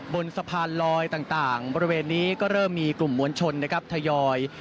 บนสะพานลอยต่างบริเวณนี้ก็เริ่มมีกลุ่มมวลชนนะครับทยอย